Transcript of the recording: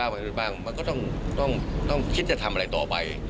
มันก็ต้องคิดจะทำอะไรต่อไป